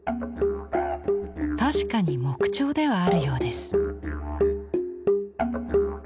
確かに木彫ではあるようです。